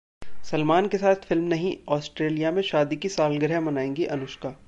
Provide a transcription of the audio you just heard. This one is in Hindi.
सलमान के साथ फिल्म नहीं, ऑस्ट्रेलिया में शादी की सालगिरह मनाएंगी अनुष्का